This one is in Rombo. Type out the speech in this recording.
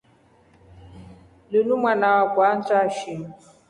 Linu mwanaakwa antaashi.